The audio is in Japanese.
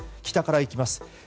北から行きます。